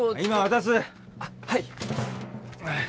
はい。